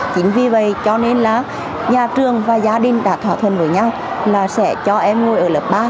chính vì vậy cho nên là nhà trường và gia đình đã thỏa thuận với nhau là sẽ cho em ngồi ở lớp ba